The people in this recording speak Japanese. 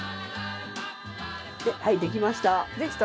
はいできました。